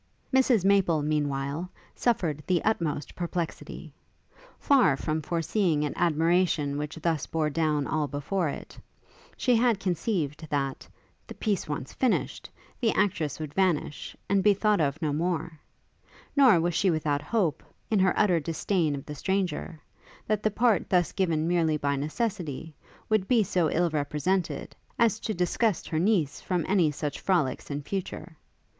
Mrs Maple, meanwhile, suffered the utmost perplexity: far from foreseeing an admiration which thus bore down all before it, she had conceived that, the piece once finished, the actress would vanish, and be thought of no more: nor was she without hope, in her utter disdain of the stranger, that the part thus given merely by necessity, would be so ill represented, as to disgust her niece from any such frolics in future.